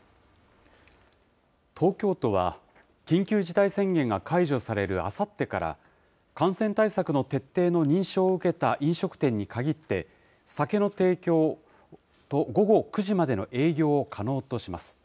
東京都は緊急事態宣言が解除されるあさってから、感染対策の徹底の認証を受けた飲食店に限って、酒の提供と午後９時までの営業を可能とします。